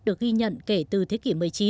được ghi nhận kể từ thế kỷ một mươi chín